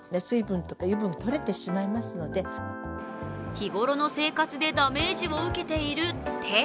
日頃の生活でダメージを受けている手。